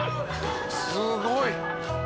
すごい！」